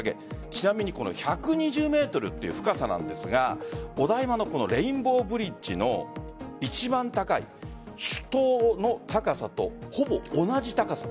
ちなみに１２０ｍという深さなんですがお台場のレインボーブリッジの一番高い主塔の高さとほぼ同じ高さ。